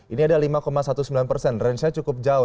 ini ada lima sembilan belas persen rangenya cukup jauh